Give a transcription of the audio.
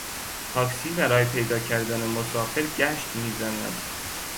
تاکسی برای پیدا کردن مسافر گشت میزند.